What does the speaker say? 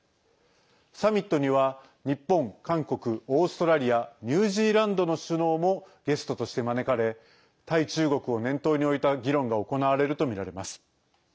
サミットには日本、韓国、オーストラリアニュージーランドの首脳もゲストとして招かれ対中国を念頭に置いた議論が行われるとみられます。